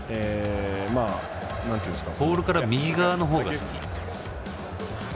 ボールから右側が好き。